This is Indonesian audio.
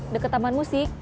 dekat tamanmu sih